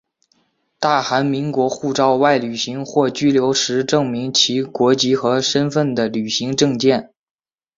大韩民国护照外旅行或居留时证明其国籍和身份的旅行证件。